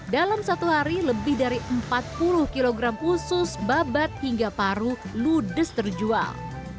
dalam satu hari lebih dari empat puluh kg usus babat hingga paru ludes terjual